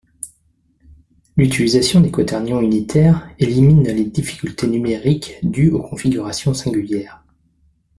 L'utilisation des quaternions unitaires élimine les difficultés numériques dues aux configurations singulières.